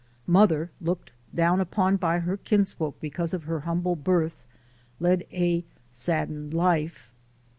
Mother, looked down upon by her kinsfolk because of her humble birth, led a saddened life.